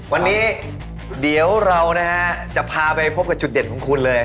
วันนี้เดี๋ยวเรานะฮะจะพาไปพบกับจุดเด่นของคุณเลย